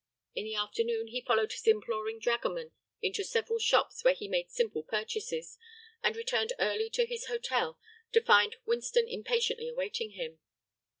In the afternoon he followed his imploring dragoman into several shops where he made simple purchases, and returned early to his hotel to find Winston impatiently awaiting him.